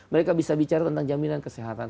mereka bisa bicara tentang jaminan kesehatan